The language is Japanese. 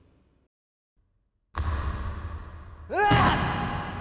うわっ。